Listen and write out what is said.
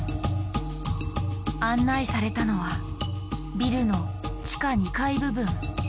案内されたのはビルの地下２階部分。